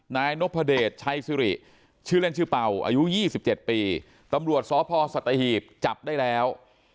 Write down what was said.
นายนพเดชชัยสิริชื่อเล่นชื่อเป่าอายุ๒๗ปีตำรวจสพสัตหีบจับได้แล้ว